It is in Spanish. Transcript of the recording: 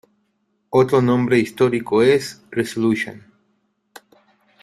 Otro nombre histórico es "Resolution".